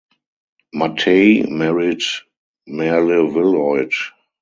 Mattei married Merle Wilhoit.